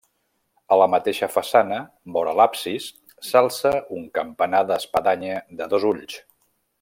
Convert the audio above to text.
A la mateixa façana, vora l'absis, s'alça un campanar d'espadanya de dos ulls.